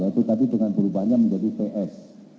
yaitu tadi dengan berubahnya menjadi ps